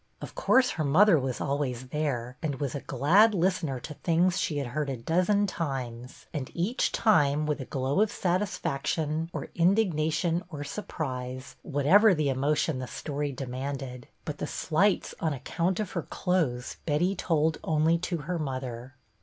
Of course her mother was always there, and was a glad listener to things she had heard a AT HOME FOR CHRISTMAS 159 dozen times, and each time with a glow of satisfaction, or indignation or surprise, whatever the emotion the story demanded ; but the slights on account of her clothes Betty told only to her mother.